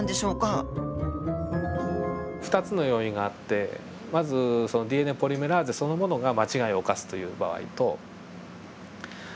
２つの要因があってまずそのＤＮＡポリメラーゼそのものが間違いを犯すというような場合と外部要因ですね。